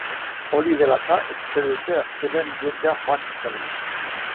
Hori dela eta, espero dute azkenean jendea joan ez dadila.